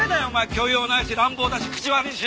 教養ないし乱暴だし口悪いしよ！